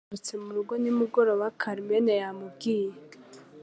Alex agarutse murugo nimugoroba, Carmen yaramubwiye.